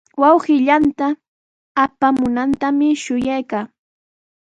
Wawqii yanta apamunantami shuyaykaa.